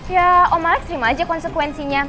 ya om alex terima aja konsekuensinya